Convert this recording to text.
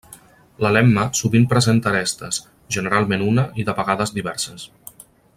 La lemma sovint presenta arestes, generalment una i de vegades diverses.